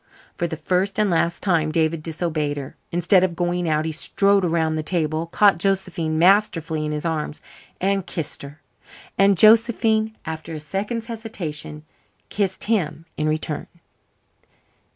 For the first and last time David disobeyed her. Instead of going out, he strode around the table, caught Josephine masterfully in his arms, and kissed her. And Josephine, after a second's hesitation, kissed him in return.